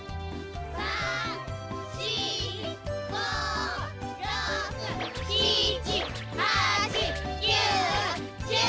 ３４５６７８９１０。